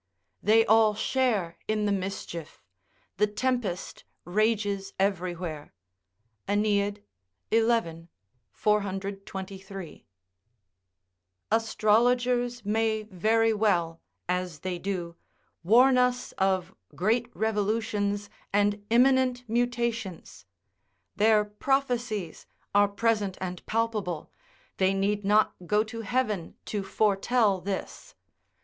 ["They all share in the mischief; the tempest rages everywhere." AEneid, ii.] Astrologers may very well, as they do, warn us of great revolutions and imminent mutations: their prophecies are present and palpable, they need not go to heaven to foretell this.